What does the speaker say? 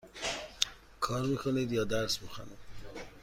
کار می کنید یا درس می خوانید؟